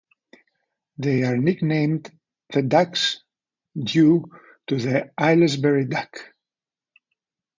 They are nicknamed the Ducks due to the Aylesbury duck.